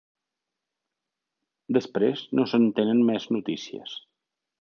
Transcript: Després no se'n tenen més notícies.